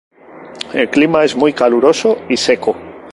El clima es muy caluroso y seco.